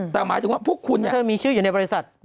แต่หมายถึงว่าพวกคุณมีชื่ออยู่ในบริษัท